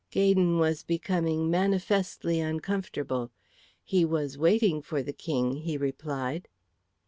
Gaydon was becoming manifestly uncomfortable. "He was waiting for the King," he replied.